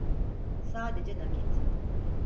Sadece nakit.